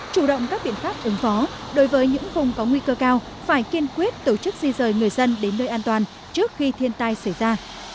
chủ động các biện pháp ứng phó đối với những vùng có nguy cơ cao phải kiên quyết tổ chức di rời người dân đến nơi an toàn trước khi thiên tai xảy ra